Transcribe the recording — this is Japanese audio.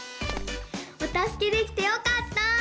おたすけできてよかった！